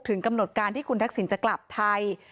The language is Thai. กำหนดการที่คุณทักษิณจะกลับไทย